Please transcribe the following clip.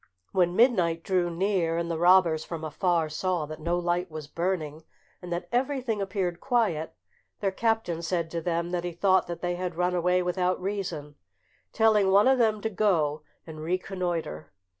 When midnight drew near, and the robbers from afar saw that no light was burning, and that everything appeared quiet, their captain said to them that he thought that they had run away without reason, telling one of them to go and reconnoitre.